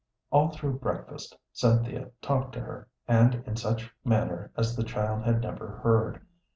All through breakfast Cynthia talked to her, and in such manner as the child had never heard.